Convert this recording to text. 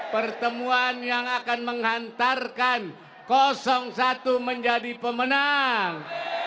pertemuan yang akan menghantarkan satu menjadi pemenang